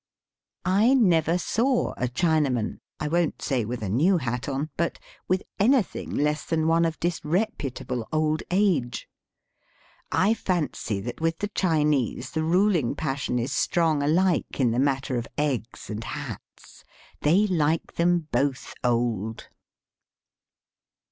I never saw a Chinaman — I won't say with a Digitized by VjOOQIC 132 EAST BY WEST. new hat on, but — ^with anything less than one of disreputable old age. I fancy that with the Chinese the ruling passion is strong alike in the matter of eggs and hats. They like them both old.